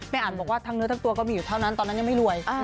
เธอทั้งตัวก็มีอยู่เท่านั้นตอนนั้นยังไม่รวย